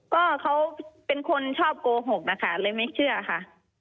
ก็เขาเป็นคนชอบโกหกนะคะเลยไม่เชื่อค่ะ